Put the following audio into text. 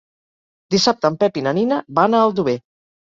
Dissabte en Pep i na Nina van a Aldover.